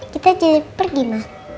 kita jadi pergi ma